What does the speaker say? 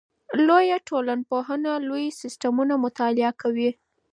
لویه ټولنپوهنه لوی سیستمونه مطالعه کوي.